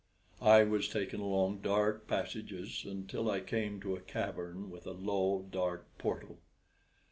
I was taken along dark passages until I came to a cavern with a low, dark portal.